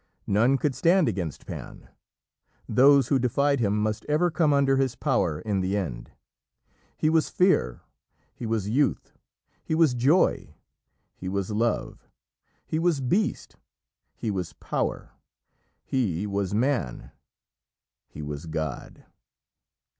None could stand against Pan. Those who defied him must ever come under his power in the end. He was Fear; he was Youth; he was Joy; he was Love; he was Beast; he was Power; he was Man; he was God.